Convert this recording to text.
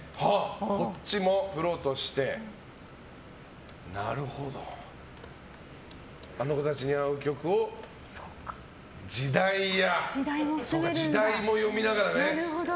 こっちもプロとしてあの子たちに合う曲をそうか、時代も読みながらね。